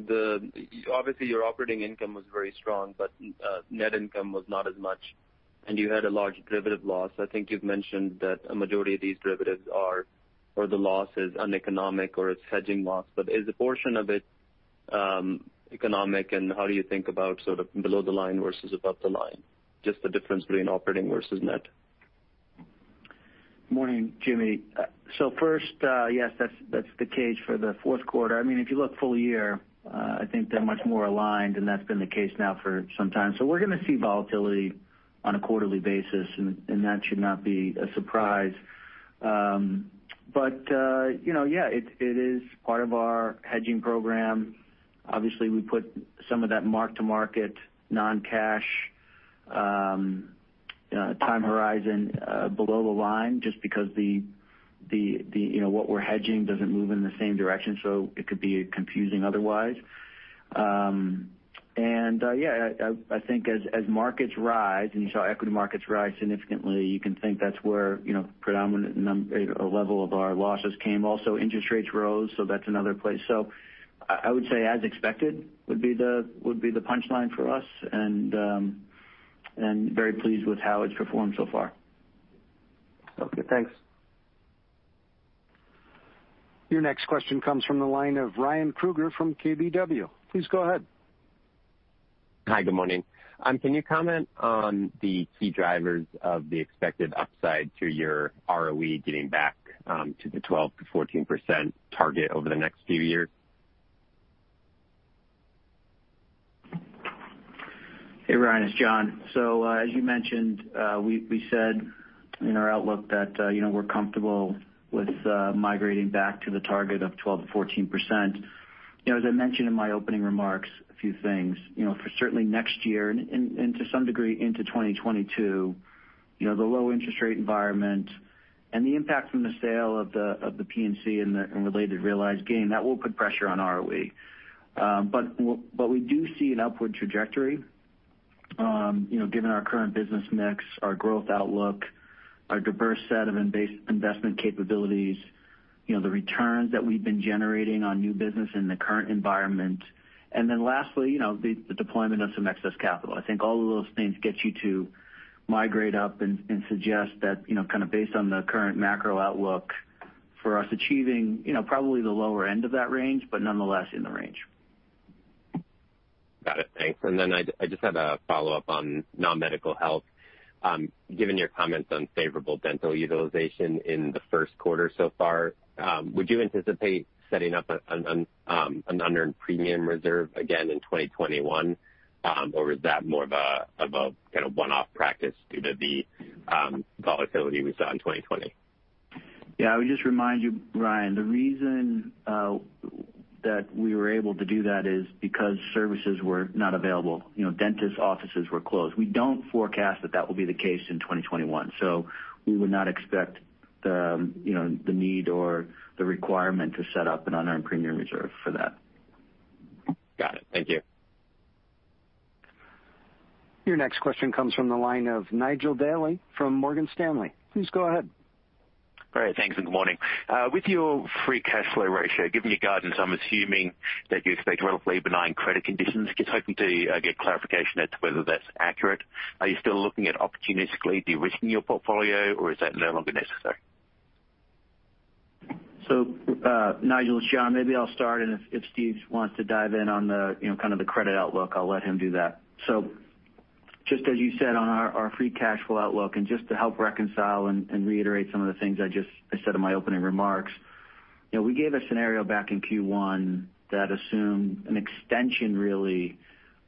the—obviously, your operating income was very strong, but net income was not as much, and you had a large derivative loss. I think you've mentioned that a majority of these derivatives are—or the loss is uneconomic or it's hedging loss. Is a portion of it economic? How do you think about sort of below the line versus above the line? Just the difference between operating versus net. Good morning, Jimmy. Yes, that's the case for the fourth quarter. I mean, if you look full year, I think they're much more aligned, and that's been the case now for some time. We're going to see volatility on a quarterly basis, and that should not be a surprise. It is part of our hedging program. Obviously, we put some of that mark-to-market non-cash time horizon below the line just because what we're hedging doesn't move in the same direction. It could be confusing otherwise. I think as markets rise and you saw equity markets rise significantly, you can think that's where a predominant level of our losses came. Also, interest rates rose, so that's another place. I would say as expected would be the punchline for us, and very pleased with how it's performed so far. Okay, thanks. Your next question comes from the line of Ryan Krueger from KBW. Please go ahead. Hi, good morning. Can you comment on the key drivers of the expected upside to your ROE getting back to the 12-14% target over the next few years? Hey, Ryan, it's John. As you mentioned, we said in our outlook that we're comfortable with migrating back to the target of 12-14%. As I mentioned in my opening remarks, a few things. Certainly, next year and to some degree into 2022, the low interest rate environment and the impact from the sale of the P&C and related realized gain, that will put pressure on ROE. We do see an upward trajectory given our current business mix, our growth outlook, our diverse set of investment capabilities, the returns that we've been generating on new business in the current environment. Lastly, the deployment of some excess capital. I think all of those things get you to migrate up and suggest that kind of based on the current macro outlook for us achieving probably the lower end of that range, but nonetheless in the range. Got it. Thanks. I just had a follow-up on non-medical health. Given your comments on favorable dental utilization in the first quarter so far, would you anticipate setting up an unearned premium reserve again in 2021, or is that more of a kind of one-off practice due to the volatility we saw in 2020? Yeah, I would just remind you, Ryan, the reason that we were able to do that is because services were not available. Dentist offices were closed. We do not forecast that that will be the case in 2021. We would not expect the need or the requirement to set up an unearned premium reserve for that. Got it. Thank you. Your next question comes from the line of Nigel Dally from Morgan Stanley. Please go ahead. All right. Thanks, and good morning. With your free cash flow ratio, given your guidance, I'm assuming that you expect relatively benign credit conditions. Just hoping to get clarification as to whether that's accurate. Are you still looking at opportunistically de-risking your portfolio, or is that no longer necessary? Nigel, it's John. Maybe I'll start, and if Steve wants to dive in on kind of the credit outlook, I'll let him do that. Just as you said on our free cash flow outlook, and just to help reconcile and reiterate some of the things I said in my opening remarks, we gave a scenario back in Q1 that assumed an extension really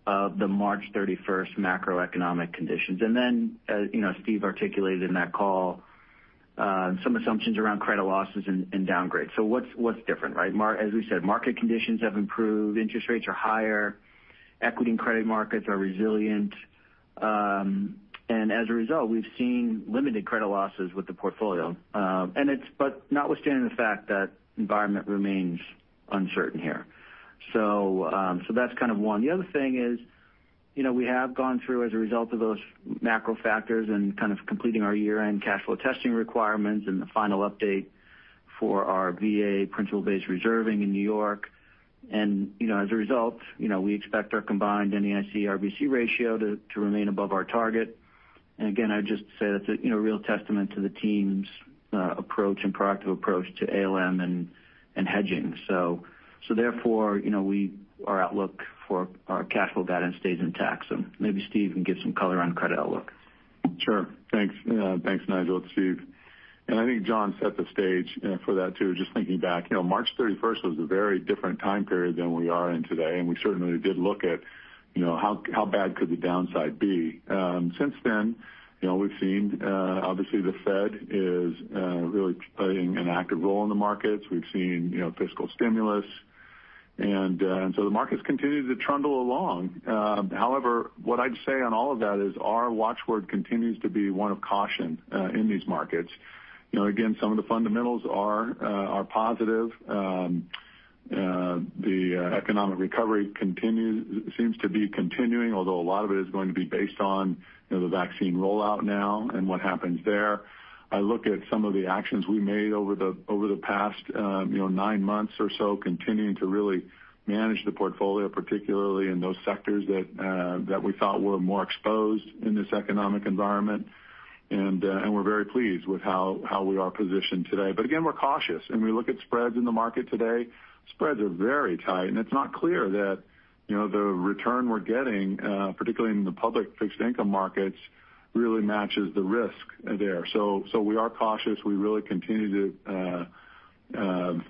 of the March 31 macroeconomic conditions. Then, as Steve articulated in that call, some assumptions around credit losses and downgrades. What's different, right? As we said, market conditions have improved. Interest rates are higher. Equity and credit markets are resilient. As a result, we've seen limited credit losses with the portfolio. It's notwithstanding the fact that the environment remains uncertain here. That's kind of one. The other thing is we have gone through, as a result of those macro factors and kind of completing our year-end cash flow testing requirements and the final update for our VA principal-based reserving in New York. As a result, we expect our combined NAIC-RBC ratio to remain above our target. I would just say that's a real testament to the team's approach and proactive approach to ALM and hedging. Therefore, our outlook for our cash flow guidance stays intact. Maybe Steve can give some color on credit outlook. Sure. Thanks, Nigel, it's Steve. I think John set the stage for that too. Just thinking back, March 31 was a very different time period than we are in today, and we certainly did look at how bad could the downside be. Since then, we've seen, obviously, the Fed is really playing an active role in the markets. We've seen fiscal stimulus. The markets continue to trundle along. However, what I'd say on all of that is our watchword continues to be one of caution in these markets. Again, some of the fundamentals are positive. The economic recovery seems to be continuing, although a lot of it is going to be based on the vaccine rollout now and what happens there. I look at some of the actions we made over the past nine months or so, continuing to really manage the portfolio, particularly in those sectors that we thought were more exposed in this economic environment. We are very pleased with how we are positioned today. Again, we are cautious. We look at spreads in the market today. Spreads are very tight. It is not clear that the return we are getting, particularly in the public fixed income markets, really matches the risk there. We are cautious. We really continue to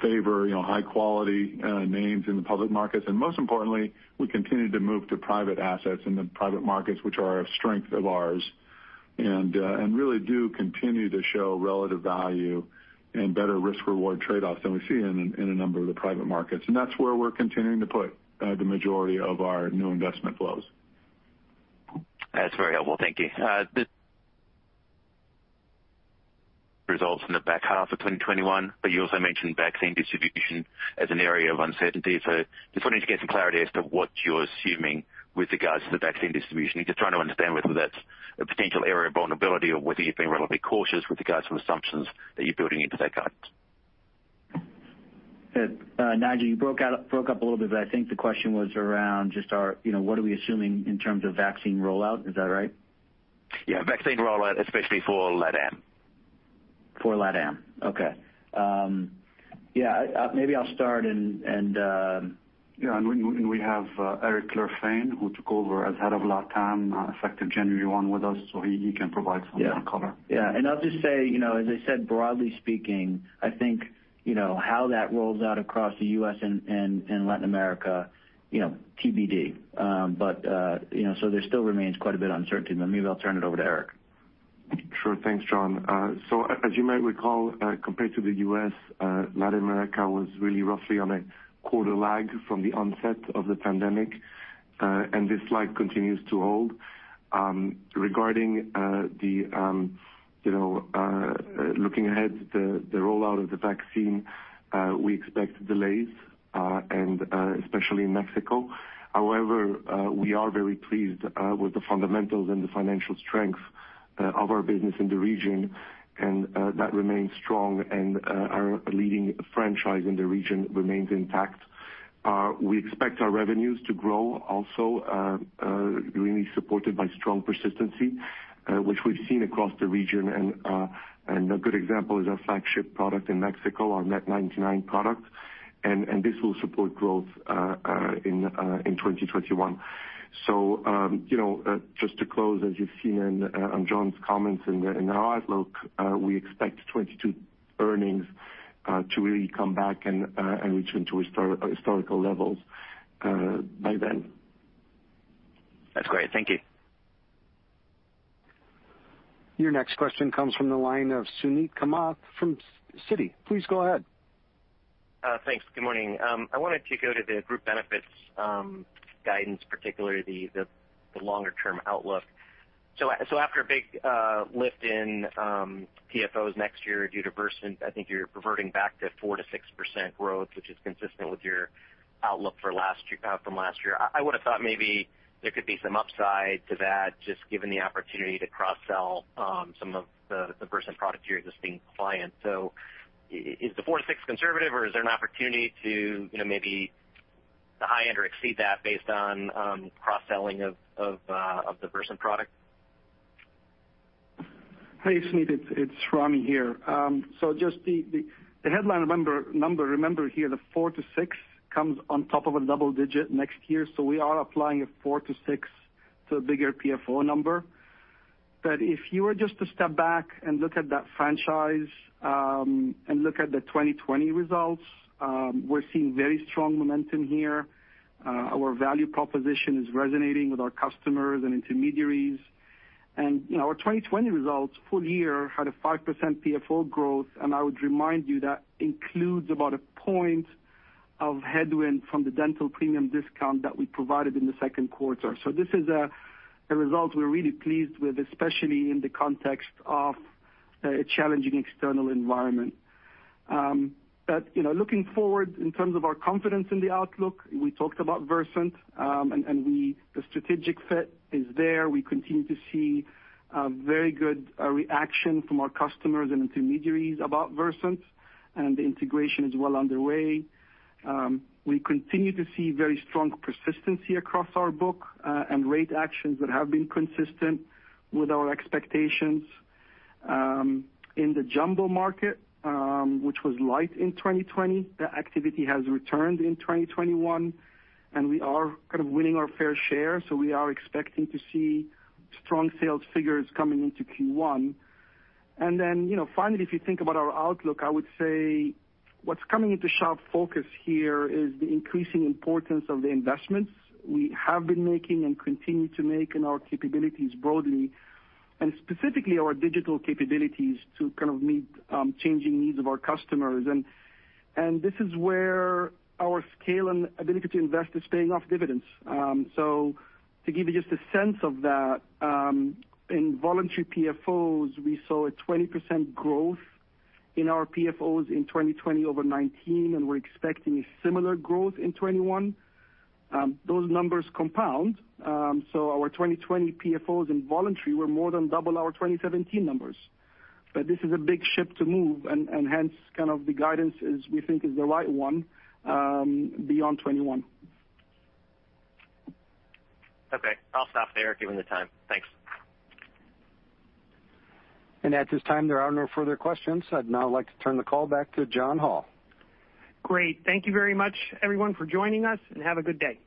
favor high-quality names in the public markets. Most importantly, we continue to move to private assets in the private markets, which are a strength of ours, and really do continue to show relative value and better risk-reward trade-offs than we see in a number of the private markets. That is where we are continuing to put the majority of our new investment flows. That's very helpful. Thank you. The results in the back half of 2021, but you also mentioned vaccine distribution as an area of uncertainty. Just wanted to get some clarity as to what you're assuming with regards to the vaccine distribution. Just trying to understand whether that's a potential area of vulnerability or whether you've been relatively cautious with regards to assumptions that you're building into that guidance. Nigel, you broke up a little bit, but I think the question was around just our what are we assuming in terms of vaccine rollout? Is that right? Yeah, vaccine rollout, especially for LatAm. For Latin America. Okay. Yeah, maybe I'll start and. Yeah, and we have Eric Lefkoff, who took over as head of LatAm, effective January 1 with us, so he can provide some more color. Yeah. I'll just say, as I said, broadly speaking, I think how that rolls out across the US and Latin America, TBD. There still remains quite a bit of uncertainty. Maybe I'll turn it over to Eric. Sure. Thanks, John. As you might recall, compared to the U.S., Latin America was really roughly on a quarter lag from the onset of the pandemic. This lag continues to hold. Regarding looking ahead, the rollout of the vaccine, we expect delays, especially in Mexico. However, we are very pleased with the fundamentals and the financial strength of our business in the region. That remains strong, and our leading franchise in the region remains intact. We expect our revenues to grow, also really supported by strong persistency, which we've seen across the region. A good example is our flagship product in Mexico, our Net99 product. This will support growth in 2021. Just to close, as you've seen in John's comments and our outlook, we expect 2022 earnings to really come back and return to historical levels by then. That's great. Thank you. Your next question comes from the line of Suneet Kamath from Citi. Please go ahead. Thanks. Good morning. I wanted to go to the group benefits guidance, particularly the longer-term outlook. After a big lift in PFOs next year due to Versant, I think you're reverting back to 4-6% growth, which is consistent with your outlook from last year. I would have thought maybe there could be some upside to that, just given the opportunity to cross-sell some of the Versant product to your existing clients. Is the 4-6% conservative, or is there an opportunity to maybe hit the high end or exceed that based on cross-selling of the Versant product? Hey, Suneet, it's Ramy here. Just the headline number, remember here, the 4-6 comes on top of a double-digit next year. We are applying a 4-6 to a bigger PFO number. If you were just to step back and look at that franchise and look at the 2020 results, we're seeing very strong momentum here. Our value proposition is resonating with our customers and intermediaries. Our 2020 results, full year, had a 5% PFO growth. I would remind you that includes about a point of headwind from the dental premium discount that we provided in the second quarter. This is a result we're really pleased with, especially in the context of a challenging external environment. Looking forward, in terms of our confidence in the outlook, we talked about Versant, and the strategic fit is there. We continue to see a very good reaction from our customers and intermediaries about Versant, and the integration is well underway. We continue to see very strong persistency across our book and rate actions that have been consistent with our expectations. In the jumbo market, which was light in 2020, that activity has returned in 2021. We are kind of winning our fair share. We are expecting to see strong sales figures coming into Q1. Finally, if you think about our outlook, I would say what is coming into sharp focus here is the increasing importance of the investments we have been making and continue to make in our capabilities broadly, and specifically our digital capabilities to kind of meet changing needs of our customers. This is where our scale and ability to invest is paying off dividends. To give you just a sense of that, in voluntary PFOs, we saw a 20% growth in our PFOs in 2020 over 2019, and we're expecting a similar growth in 2021. Those numbers compound. Our 2020 PFOs in voluntary were more than double our 2017 numbers. This is a big ship to move, and hence kind of the guidance is we think is the right one beyond 2021. Okay. I'll stop there given the time. Thanks. At this time, there are no further questions. I'd now like to turn the call back to John Hall. Great. Thank you very much, everyone, for joining us, and have a good day.